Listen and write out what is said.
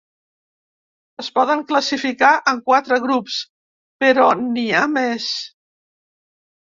Es poden classificar en quatre grups però n'hi ha més.